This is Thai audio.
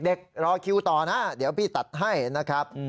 รอคิวต่อนะเดี๋ยวพี่ตัดให้นะครับ